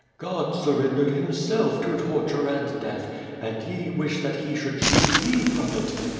God surrendered Himself to torture and death, and ye wish that He should shield ye from it?